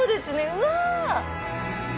うわ。